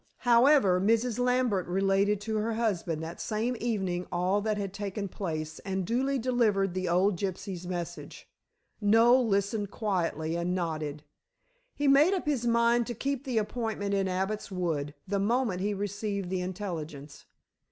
However, Mrs. Lambert related to her husband that same evening all that had taken place, and duly delivered the old gypsy's message. Noel listened quietly and nodded. He made up his mind to keep the appointment in Abbot's Wood the moment he received the intelligence.